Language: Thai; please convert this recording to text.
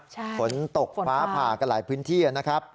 ใช่ฝนฟ้าฝนตกกับหลายพื้นที่นะครับฝนฟ้า